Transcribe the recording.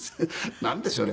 なんでしょうね。